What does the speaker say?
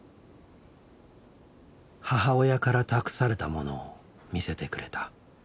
母親から託されたものを見せてくれた。